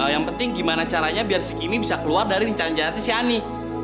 yang penting gimana caranya biar si kimi bisa keluar dari rincahan jahat si ani